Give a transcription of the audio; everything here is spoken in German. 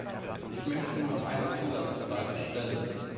Ich möchte noch eine Zusatzfrage stellen.